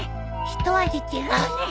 ひと味違うね。